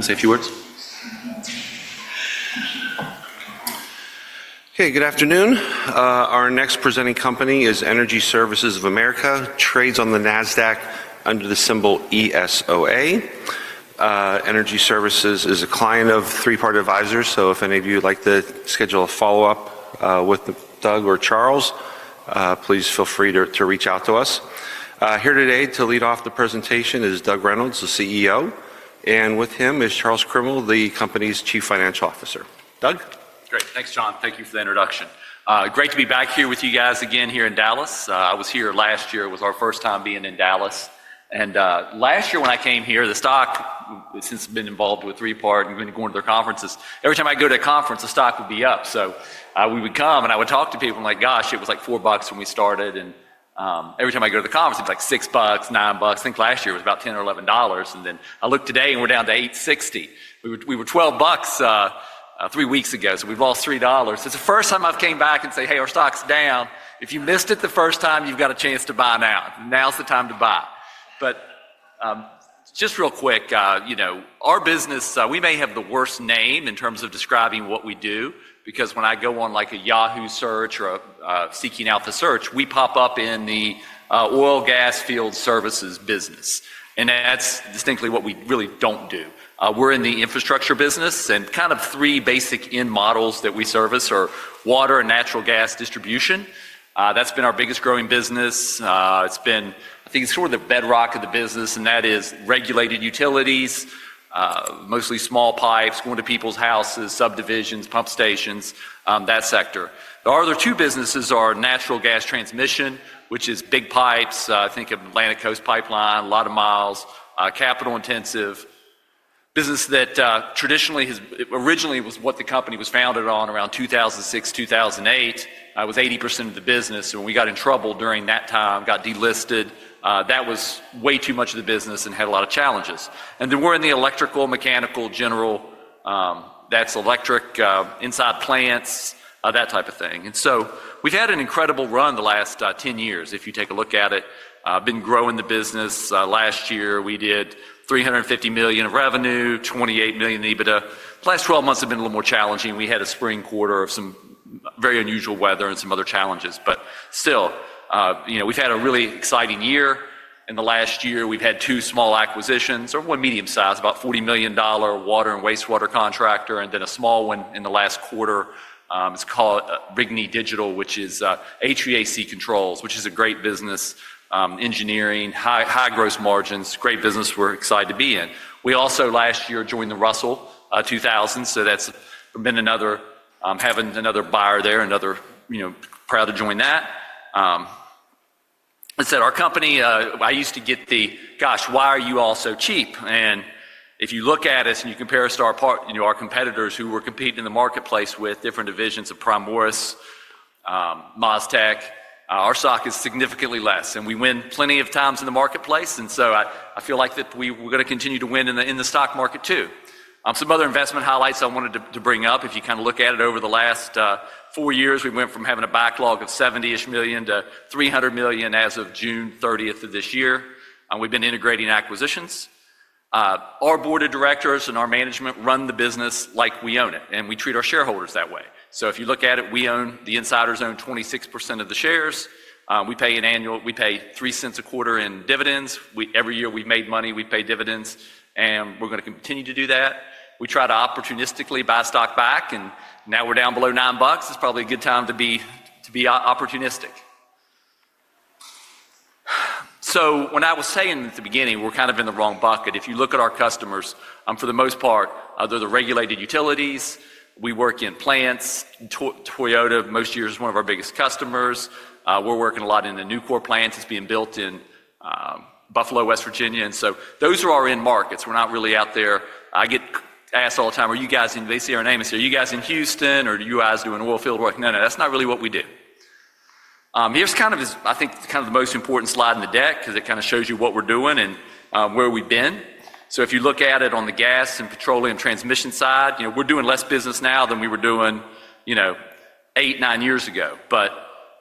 Say a few words. Okay, good afternoon. Our next presenting company is Energy Services of America, trades on the Nasdaq under the symbol ESOA. Energy Services is a client of Three Part Advisors, so if any of you would like to schedule a follow-up with Doug or Charles, please feel free to reach out to us. Here today to lead off the presentation is Doug Reynolds, the CEO, and with him is Charles Crimmel, the company's Chief Financial Officer. Doug? Great, thanks John, thank you for the introduction. Great to be back here with you guys again here in Dallas. I was here last year. It was our first time being in Dallas. Last year when I came here, the stock, since I've been involved with Three Part and been going to their conferences, every time I'd go to a conference, the stock would be up. We would come and I would talk to people and like, "Gosh, it was like four bucks when we started." Every time I'd go to the conference, it was like six bucks, nine bucks. I think last year it was about $10 or $11, and then I looked today and we're down to $8.60. We were $12 three weeks ago, so we've lost $3. It's the first time I've come back and said, "Hey, our stock's down." If you missed it the first time, you've got a chance to buy now. Now's the time to buy. Just real quick, you know, our business, we may have the worst name in terms of describing what we do, because when I go on like a Yahoo search or Seeking Alpha search, we pop up in the oil, gas, field services business. That's distinctly what we really don't do. We're in the infrastructure business, and kind of three basic end models that we service are water and natural gas distribution. That's been our biggest growing business. I think it's sort of the bedrock of the business, and that is regulated utilities, mostly small pipes, going to people's houses, subdivisions, pump stations, that sector. The other two businesses are natural gas transmission, which is big pipes, I think of Atlantic Coast Pipeline, a lot of miles, capital intensive business that traditionally has, originally was what the company was founded on around 2006, 2008, was 80% of the business. When we got in trouble during that time, got delisted, that was way too much of the business and had a lot of challenges. We're in the electrical, mechanical, general, that's electric, inside plants, that type of thing. We've had an incredible run the last ten years if you take a look at it. Been growing the business. Last year we did $350 million of revenue, $28 million EBITDA. The last twelve months have been a little more challenging. We had a spring quarter of some very unusual weather and some other challenges. Still, you know, we've had a really exciting year. In the last year, we've had two small acquisitions, or one medium size, about $40 million water and wastewater contractor, and then a small one in the last quarter. It's called Rigney Digital, which is HVAC controls, which is a great business, engineering, high gross margins, great business we're excited to be in. We also last year joined the Russell 2000, so that's been another, having another buyer there, another, you know, proud to join that. I said, our company, I used to get the, "Gosh, why are you all so cheap?" And if you look at us and you compare us to our part, you know, our competitors who we're competing in the marketplace with different divisions of Primoris, MasTec, our stock is significantly less. We win plenty of times in the marketplace, and I feel like we're going to continue to win in the stock market too. Some other investment highlights I wanted to bring up, if you kind of look at it over the last four years, we went from having a backlog of $70 million to $300 million as of June 30th of this year. We've been integrating acquisitions. Our Board of Directors and our management run the business like we own it, and we treat our shareholders that way. If you look at it, the insiders own 26% of the shares. We pay $0.03 a quarter in dividends. Every year we've made money, we pay dividends, and we're going to continue to do that. We try to opportunistically buy stock back, and now we're down below $9. It's probably a good time to be opportunistic. When I was saying at the beginning, we're kind of in the wrong bucket. If you look at our customers, for the most part, they're the regulated utilities. We work in plants. Toyota, most years, is one of our biggest customers. We're working a lot in the Nucor plant. It's being built in Buffalo, West Virginia. Those are our end markets. We're not really out there. I get asked all the time, "Are you guys in," they say, or an AMC, "Are you guys in Houston or are you guys doing oil field work?" No, no, that's not really what we do. Here's kind of, I think, kind of the most important slide in the deck because it kind of shows you what we're doing and where we've been. If you look at it on the gas and petroleum transmission side, you know, we're doing less business now than we were doing, you know, eight, nine years ago. But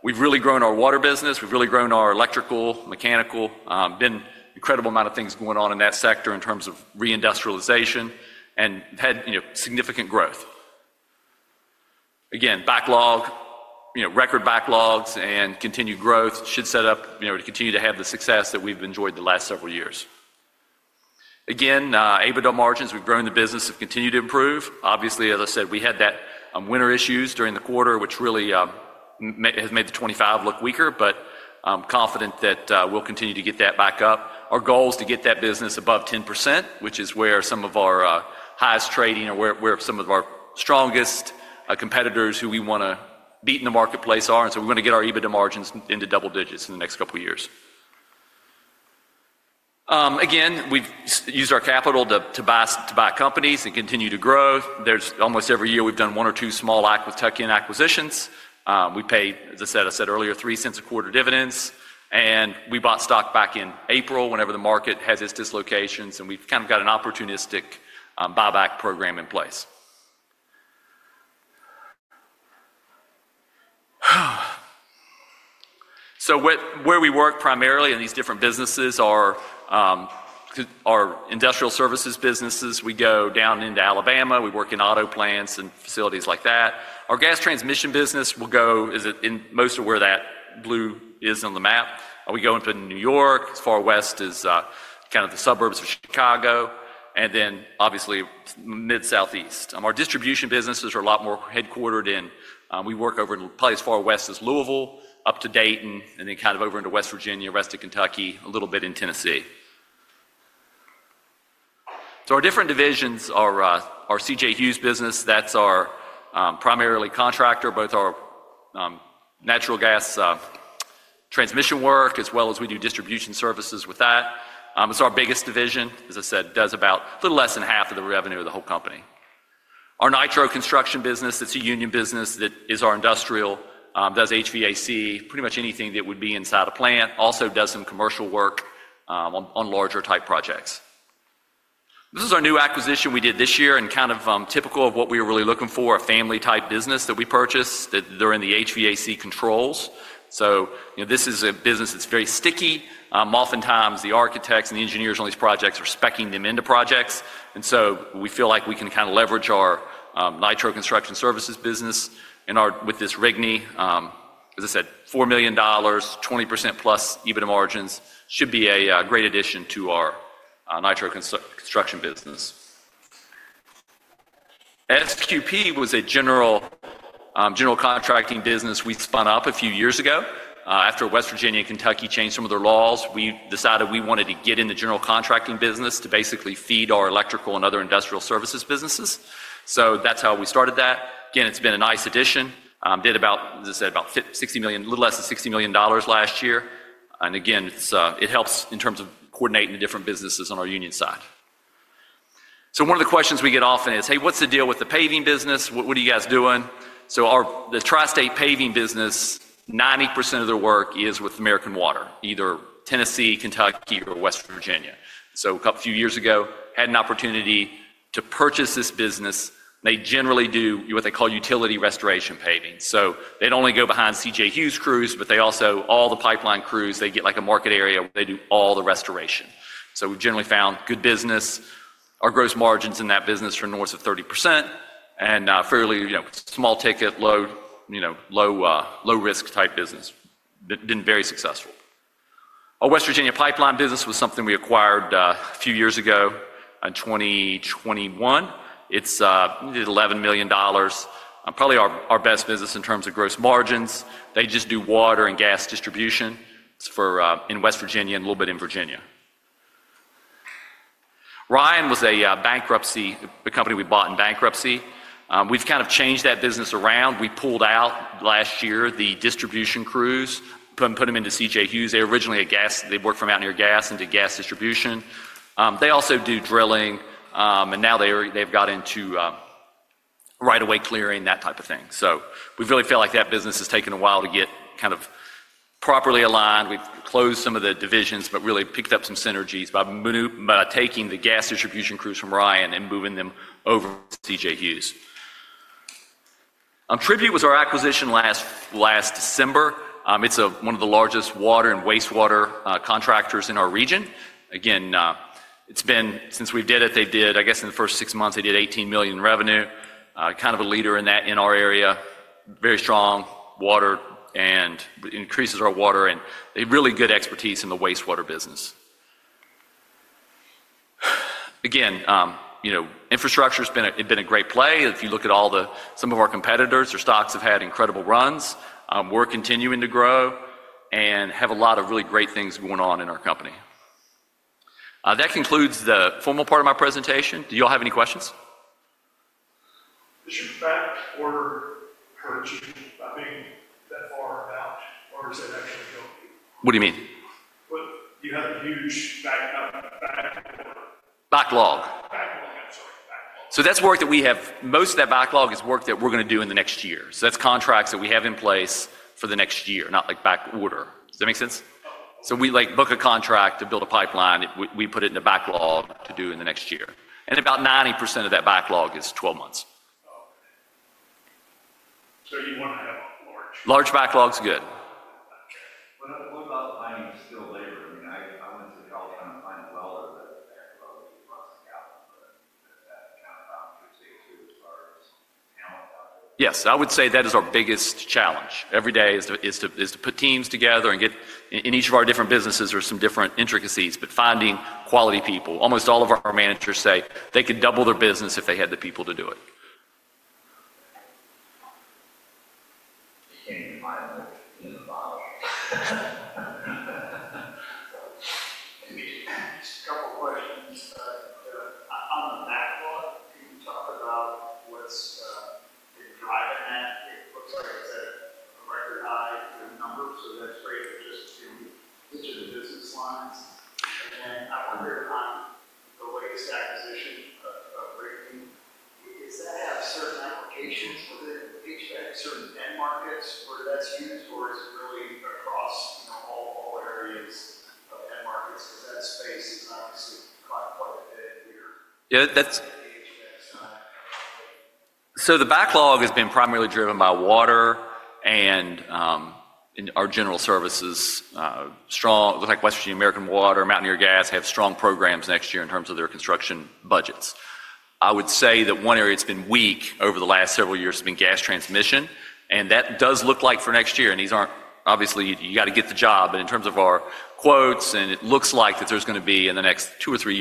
we've really grown our water business. We've really grown our electrical, mechanical, been an incredible amount of things going on in that sector in terms of reindustrialization and had, you know, significant growth. Again, backlog, you know, record backlogs and continued growth should set up, you know, to continue to have the success that we've enjoyed the last several years. Again, EBITDA margins, we've grown the business, have continued to improve. Obviously, as I said, we had that winter issues during the quarter, which really has made the twenty-five look weaker, but I'm confident that we'll continue to get that back up. Our goal is to get that business above 10%, which is where some of our highest trading or where some of our strongest competitors who we want to beat in the marketplace are. We're going to get our EBITDA margins into double digits in the next couple of years. Again, we've used our capital to buy companies and continue to grow. There's almost every year we've done one or two small acquisitions. We pay, as I said, I said earlier, $0.03 a quarter dividends. We bought stock back in April whenever the market has its dislocations, and we've kind of got an opportunistic buyback program in place. Where we work primarily in these different businesses are our industrial services businesses. We go down into Alabama. We work in auto plants and facilities like that. Our gas transmission business will go in most of where that blue is on the map. We go into New York, as far west as kind of the suburbs of Chicago, and then obviously mid-southeast. Our distribution businesses are a lot more headquartered in, we work over in probably as far west as Louisville, up to Dayton, and then kind of over into West Virginia, rest of Kentucky, a little bit in Tennessee. Our different divisions are our CJ Hughes business. That's our primary contractor, both our natural gas transmission work as well as we do distribution services with that. It's our biggest division. As I said, it does about a little less than half of the revenue of the whole company. Our Nitro Construction Services business, it's a union business that is our industrial, does HVAC, pretty much anything that would be inside a plant. Also does some commercial work on larger type projects. This is our new acquisition we did this year and kind of typical of what we were really looking for, a family type business that we purchased that are in the HVAC controls. You know, this is a business that's very sticky. Oftentimes the architects and the engineers on these projects are speccing them into projects. We feel like we can kind of leverage our Nitro Construction Services business and our, with this Rigney, as I said, $4 million, 20% plus EBITDA margins should be a great addition to our Nitro Construction Services business. SQP was a general contracting business we spun up a few years ago. After West Virginia and Kentucky changed some of their laws, we decided we wanted to get in the general contracting business to basically feed our electrical and other industrial services businesses. That is how we started that. Again, it has been a nice addition. Did about, as I said, about $60 million, a little less than $60 million last year. Again, it helps in terms of coordinating the different businesses on our union side. One of the questions we get often is, "Hey, what is the deal with the paving business? What are you guys doing?" Our Tri-State Paving business, 90% of their work is with American Water, either Tennessee, Kentucky, or West Virginia. A few years ago, had an opportunity to purchase this business. They generally do what they call utility restoration paving. They do not only go behind CJ Hughes crews, but they also, all the pipeline crews, they get like a market area where they do all the restoration. We generally found good business. Our gross margins in that business are north of 30% and fairly, you know, small ticket, low, you know, low risk type business. Been very successful. Our West Virginia Pipeline business was something we acquired a few years ago in 2021. It is $11 million, probably our best business in terms of gross margins. They just do water and gas distribution for, in West Virginia and a little bit in Virginia. Ryan was a bankruptcy, a company we bought in bankruptcy. We have kind of changed that business around. We pulled out last year the distribution crews, put them into CJ Hughes. They originally had gas, they worked from out near gas into gas distribution. They also do drilling, and now they've got into right-of-way clearing, that type of thing. We really feel like that business has taken a while to get kind of properly aligned. We've closed some of the divisions, but really picked up some synergies by taking the gas distribution crews from Ryan and moving them over to CJ Hughes. Tribute was our acquisition last December. It's one of the largest water and wastewater contractors in our region. Again, it's been, since we did it, they did, I guess in the first six months, they did $18 million in revenue. Kind of a leader in that, in our area. Very strong water and increases our water and they have really good expertise in the wastewater business. Again, you know, infrastructure has been a great play. If you look at all the, some of our competitors, their stocks have had incredible runs. We're continuing to grow and have a lot of really great things going on in our company. That concludes the formal part of my presentation. Do you all have any questions? Is your back order currently that far out or is that actually going to be? What do you mean? You have a huge backlog. Backlog. Backlog, I'm sorry. That's work that we have, most of that backlog is work that we're going to do in the next year. That's contracts that we have in place for the next year, not like back order. Does that make sense? We like book a contract to build a pipeline, we put it in a backlog to do in the next year. About 90% of that backlog is twelve months. You want to have a large? Large backlog is good. What about finding skilled labor? I mean, I went to the college trying to find a welder that had backlogs across the gallon, but that kind of problem you would say too as far as talent out there? Yes, I would say that is our biggest challenge. Every day is to put teams together and get, in each of our different businesses there are some different intricacies, but finding quality people. Almost all of our managers say they could double their business if they had the people to do it. A couple of questions. On the backlog, can you talk about what's been driving that? It looks like it's at a record high in numbers, so that's great. Just in terms of business lines. I wonder on the latest acquisition of Rigney does that have certain applications within HVAC, certain end markets where that's used or is it really across, you know, all areas of end markets? Because that space is obviously quite a bit here. Yeah, that's. The backlog has been primarily driven by water and our general services. Like West Virginia American Water, Mountaineer Gas have strong programs next year in terms of their construction budgets. I would say that one area that's been weak over the last several years has been gas transmission, and that does look like for next year, and these aren't, obviously you got to get the job, but in terms of our quotes, and it looks like that there's going to be in the next two or three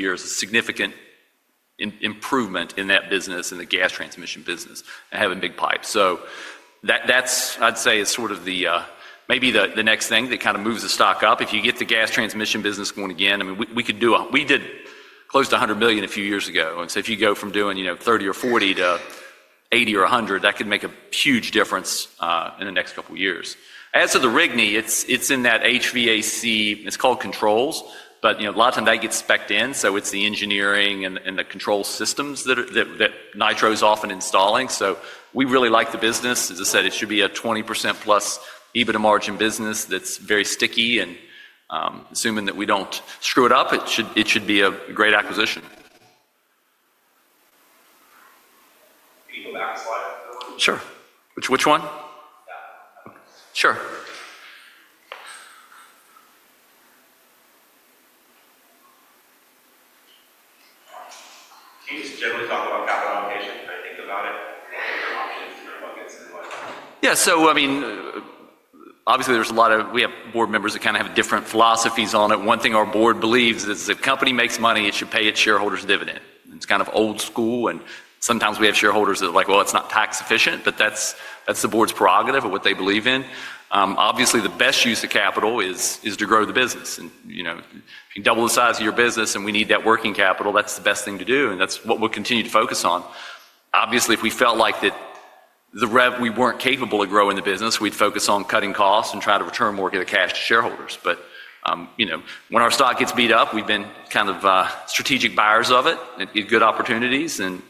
years a significant improvement in that business, in the gas transmission business, and having big pipes. That's, I'd say, is sort of the, maybe the next thing that kind of moves the stock up. If you get the gas transmission business going again, I mean, we could do, we did close to $100 million a few years ago. If you go from doing, you know, thirty or forty to eighty or a hundred, that could make a huge difference in the next couple of years. As for the Rigney, it's in that HVAC, it's called controls, but, you know, a lot of time that gets specced in, so it's the engineering and the control systems that Nitro is often installing. We really like the business. As I said, it should be a 20%+ EBITDA margin business that's very sticky, and assuming that we don't screw it up, it should be a great acquisition. Can you go back a slide? Sure. Which one? Sure. Can you just generally talk about capital allocation? How you think about it? What are your options and your buckets and what? Yeah, so I mean, obviously there's a lot of, we have Board members that kind of have different philosophies on it. One thing our Board believes is if the company makes money, it should pay its shareholders dividend. It's kind of old school, and sometimes we have shareholders that are like, well, it's not tax efficient, but that's the Board's prerogative of what they believe in. Obviously, the best use of capital is to grow the business. You know, if you double the size of your business and we need that working capital, that's the best thing to do, and that's what we'll continue to focus on. Obviously, if we felt like that we weren't capable of growing the business, we'd focus on cutting costs and trying to return more cash to shareholders. You know, when our stock gets beat up, we've been kind of strategic buyers of it and get good opportunities, and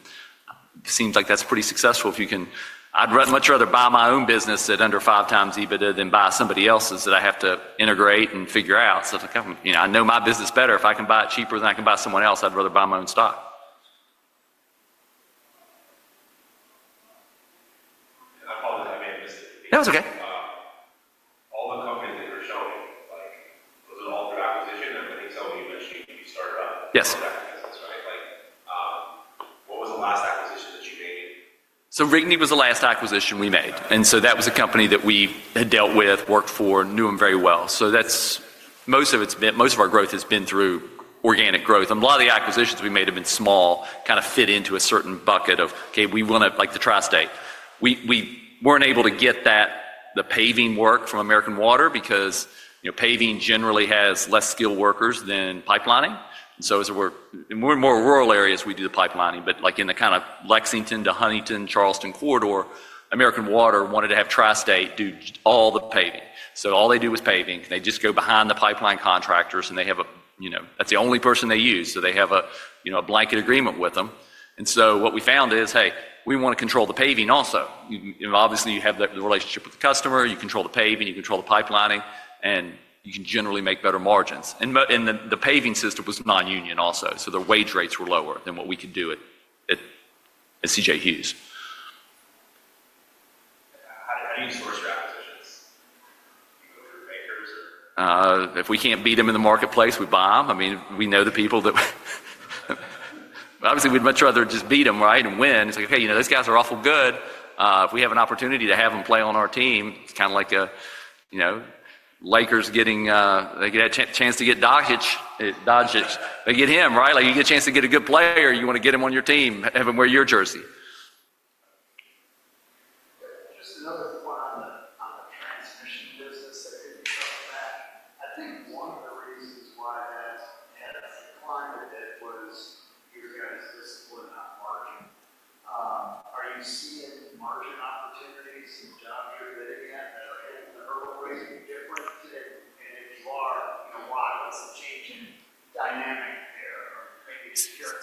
it seems like that's pretty successful if you can. I'd much rather buy my own business at under five times EBITDA than buy somebody else's that I have to integrate and figure out. So if I can, you know, I know my business better. If I can buy it cheaper than I can buy someone else, I'd rather buy my own stock. I apologize. I may have missed it. That was okay. All the companies that you're showing, like, was it all through acquisition? I think some of you mentioned you started off with that business, right? Like, what was the last acquisition that you made? Rigney was the last acquisition we made. That was a company that we had dealt with, worked for, knew them very well. Most of it's been, most of our growth has been through organic growth. A lot of the acquisitions we made have been small, kind of fit into a certain bucket of, okay, we want to, like the Tri-State. We weren't able to get that, the paving work from American Water because, you know, paving generally has less skilled workers than pipelining. As we're in more rural areas, we do the pipelining, but like in the kind of Lexington to Huntington, Charleston corridor, American Water wanted to have Tri-State do all the paving. All they do is paving. They just go behind the pipeline contractors and they have a, you know, that's the only person they use. They have a, you know, a blanket agreement with them. What we found is, hey, we want to control the paving also. Obviously, you have the relationship with the customer, you control the paving, you control the pipelining, and you can generally make better margins. The paving system was non-union also, so their wage rates were lower than what we could do at CJ Hughes. How do you source your acquisitions? Do you go through makers or? If we can't beat them in the marketplace, we buy them. I mean, we know the people that, obviously we'd much rather just beat them, right, and win. It's like, okay, you know, those guys are awful good. If we have an opportunity to have them play on our team, it's kind of like a, you know, Lakers getting, they get a chance to get Dončić, they get him, right? Like you get a chance to get a good player, you want to get him on your team, have him wear your jersey.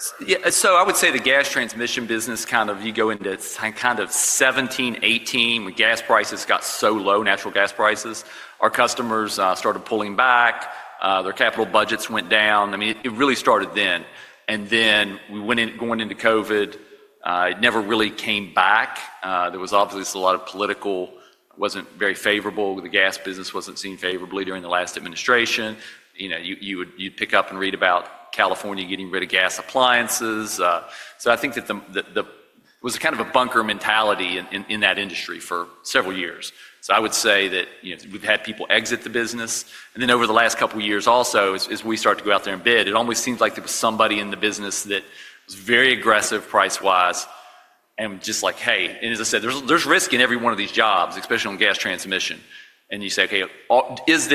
Just another thought on the transmission business that you talked about. I think one of the reasons why that's declined a bit was your guys' discipline on margin. Are you seeing margin opportunities in jobs you're bidding at that are hitting the hurdle rates different? And if you are, you know, why? What's the changing dynamic there? Or maybe just your experience. Yeah, so I would say the gas transmission business kind of, you go into kind of 2017, 2018, when gas prices got so low, natural gas prices, our customers started pulling back, their capital budgets went down. I mean, it really started then. I mean, we went in, going into COVID, it never really came back. There was obviously a lot of political, it wasn't very favorable. The gas business wasn't seen favorably during the last administration. You know, you'd pick up and read about California getting rid of gas appliances. I think that the, it was kind of a bunker mentality in that industry for several years. I would say that, you know, we've had people exit the business. Over the last couple of years also, as we started to go out there and bid, it almost seems like there was somebody in the business that was very aggressive price-wise and just like, hey, as I said, there's risk in every one of these jobs, especially on gas transmission. You say, okay, is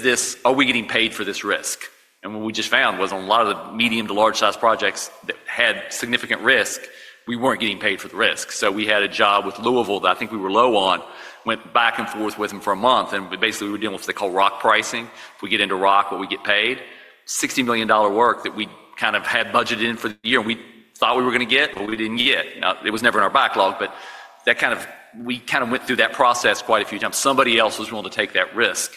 this, are we getting paid for this risk? What we just found was on a lot of the medium to large-sized projects that had significant risk, we were not getting paid for the risk. We had a job with Louisville that I think we were low on, went back and forth with them for a month, and basically we were dealing with what they call rock pricing. If we get into rock, what we get paid, $60 million work that we kind of had budgeted in for the year and we thought we were going to get, but we didn't get. Now, it was never in our backlog, but that kind of, we kind of went through that process quite a few times. Somebody else was willing to take that risk,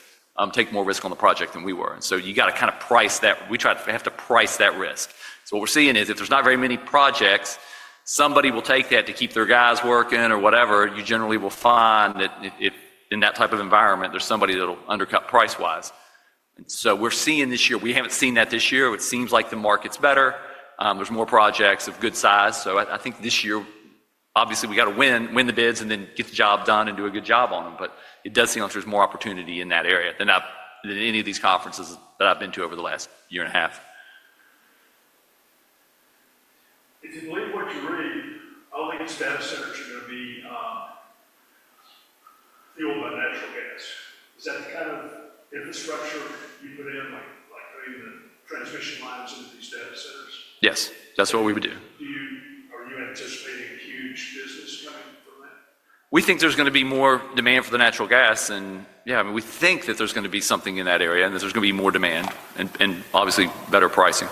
take more risk on the project than we were. You got to kind of price that, we try to have to price that risk. What we're seeing is if there's not very many projects, somebody will take that to keep their guys working or whatever. You generally will find that in that type of environment, there's somebody that'll undercut price-wise. We're seeing this year, we haven't seen that this year. It seems like the market's better. are more projects of good size. I think this year, obviously we have to win the bids and then get the job done and do a good job on them. It does seem like there is more opportunity in that area than any of these conferences that I have been to over the last year and a half. If you believe what you read, all these data centers are going to be fueled by natural gas. Is that the kind of infrastructure you put in, like putting the transmission lines into these data centers? Yes, that's what we would do. Are you anticipating huge business coming from that? We think there's going to be more demand for the natural gas and yeah, I mean, we think that there's going to be something in that area and that there's going to be more demand and obviously better pricing.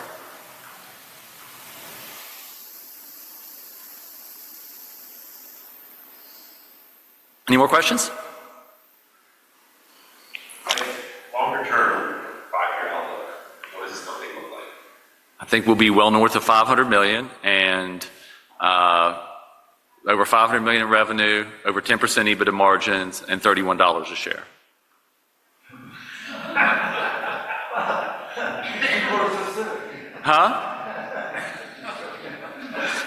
Any more questions? Longer term, five-year outlook, what does this company look like? I think we'll be well north of $500 million and over $500 million in revenue, over 10% EBITDA margins and $31 a share. You're being more specific. Huh?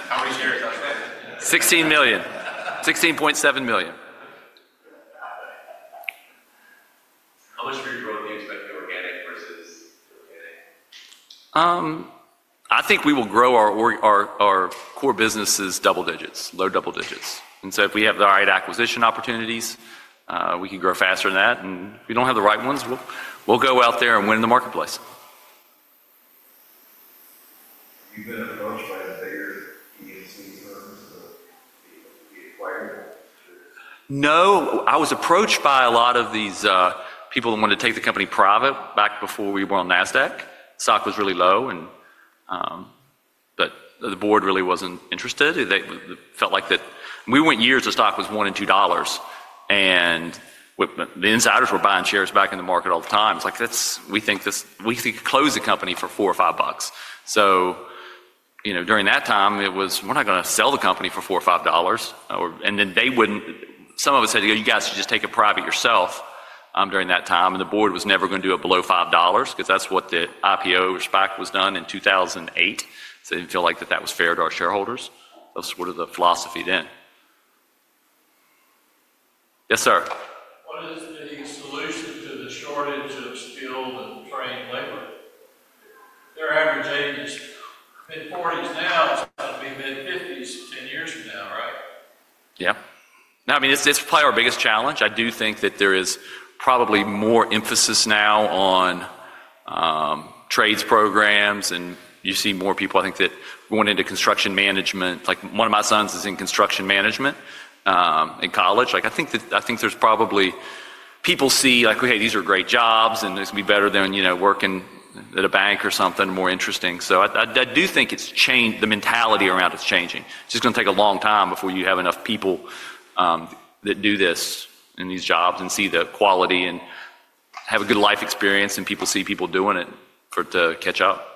How many shares out there? $16 million. $16.7 million. How much of your growth do you expect to be organic versus organic? I think we will grow our core businesses double digits, low double digits. If we have the right acquisition opportunities, we can grow faster than that. If we do not have the right ones, we will go out there and win in the marketplace. Have you been approached by the bigger EMC firms to be acquired? No, I was approached by a lot of these people that wanted to take the company private back before we were on Nasdaq. Stock was really low, and the Board really was not interested. They felt like we went years the stock was one and two dollars and the insiders were buying shares back in the market all the time. It's like, that's, we think we could close the company for four or five bucks. You know, during that time it was, we're not going to sell the company for four or five dollars. Some of us said, you guys should just take it private yourselves during that time. The Board was never going to do it below five dollars because that's what the IPO or SPAC was done in 2008. They did not feel like that was fair to our shareholders. That was sort of the philosophy then. Yes, sir. What is the solution to the shortage of skilled and trained labor? Their average ages, mid-forties now, it's got to be mid-fifties ten years from now, right? Yeah. No, I mean, it's probably our biggest challenge. I do think that there is probably more emphasis now on trades programs and you see more people, I think, that went into construction management. Like one of my sons is in construction management in college. Like I think that I think there's probably, people see like, okay, these are great jobs and it's going to be better than, you know, working at a bank or something more interesting. I do think it's changed, the mentality around it's changing. It's just going to take a long time before you have enough people that do this in these jobs and see the quality and have a good life experience and people see people doing it to catch up.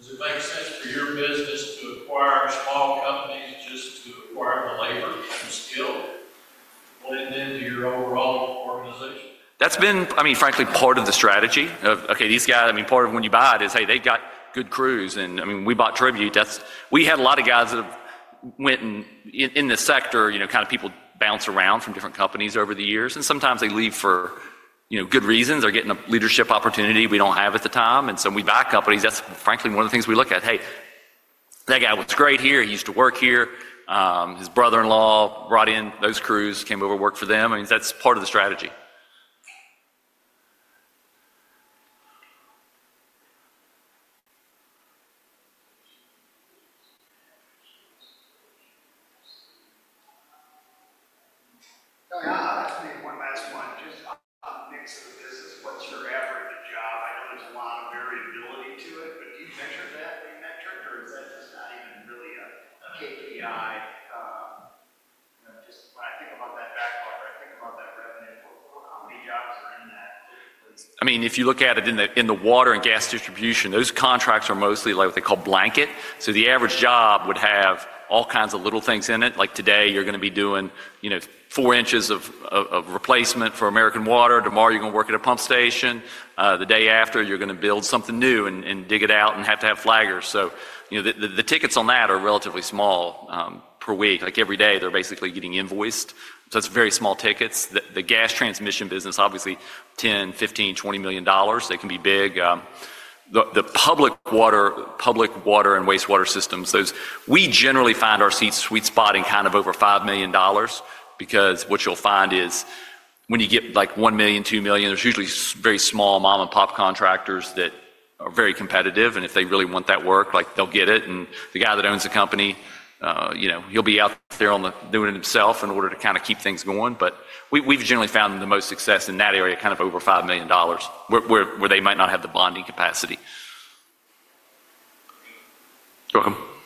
Does it make sense for your business to acquire small companies just to acquire the labor and skill to blend into your overall organization? That's been, I mean, frankly, part of the strategy of, okay, these guys, I mean, part of when you buy it is, hey, they've got good crews. I mean, we bought Tribute. We had a lot of guys that went in this sector, you know, kind of people bounce around from different companies over the years. Sometimes they leave for, you know, good reasons. They're getting a leadership opportunity we don't have at the time. We buy companies. That's frankly one of the things we look at. Hey, that guy was great here. He used to work here. His brother-in-law brought in those crews, came over and worked for them. I mean, that's part of the strategy. week. Like every day they're basically getting invoiced. It is very small tickets. The gas transmission business, obviously $10 million-$15 million-$20 million. They can be big. The public water, public water and wastewater systems, those, we generally find our sweet spot in kind of over $5 million because what you'll find is when you get like $1 million, $2 million, there's usually very small mom-and-pop contractors that are very competitive. If they really want that work, like they'll get it. The guy that owns the company, you know, he'll be out there doing it himself in order to kind of keep things going. We've generally found the most success in that area, kind of over $5 million, where they might not have the bonding capacity. You're welcome.